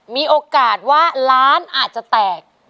มีโอกาสว่าล้านอาจจะแตก